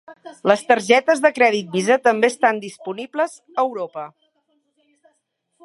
Les targetes de crèdit Visa també estan disponibles a Europa.